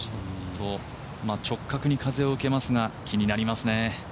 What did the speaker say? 直角に風を受けますが、気になりますね。